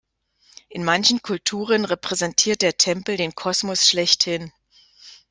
In manchen Kulturen repräsentiert der Tempel den Kosmos schlechthin.